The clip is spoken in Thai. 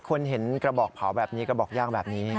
คนเห็นกระบอกเผาแบบนี้กระบอกย่างแบบนี้